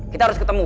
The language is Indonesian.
kita harus ketemu